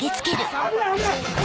危ない危ない！